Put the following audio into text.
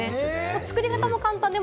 作り方も簡単。